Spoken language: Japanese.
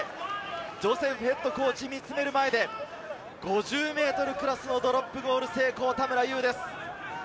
ジョセフＨＣが見つめる前で、５０ｍクラスのドロップゴール成功、田村優です。